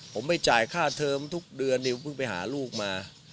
ผมไม่จ่ายค่าเทอมทุกเดือนนี่เพิ่งไปหาลูกมา